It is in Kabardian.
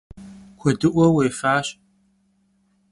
Kuedı'ue vuêfaş.